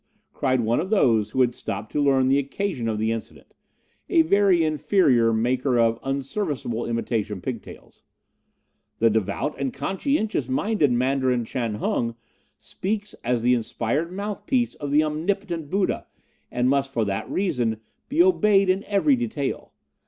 cried one of those who had stopped to learn the occasion of the incident a very inferior maker of unserviceable imitation pigtails 'the devout and conscientious minded Mandarin Chan Hung speaks as the inspired mouth piece of the omnipotent Buddha, and must, for that reason, be obeyed in every detail.